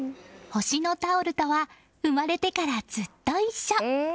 星のタオルとは生まれてからずっと一緒。